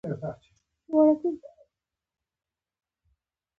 دلته يې اصلاح کړه